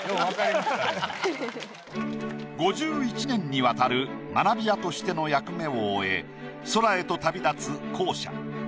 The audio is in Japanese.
５１年にわたる学びやとしての役目を終え空へと旅立つ校舎。